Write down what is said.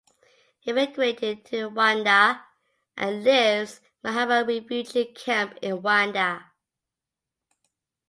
He emigrated to Rwanda and lives in the Mahama Refugee Camp in Rwanda.